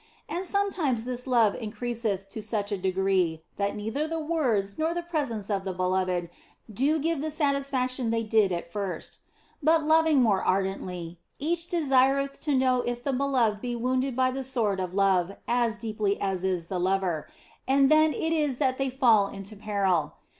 And sometimes this love in creaseth to such a degree that neither the words nor the presence of the beloved do give the satisfaction they did at first. But loving more ardently, each desireth to know if the beloved be wounded by the sword of love as deeply OF FOLIGNO 123 as is the lover, and then it is that they fall into peril.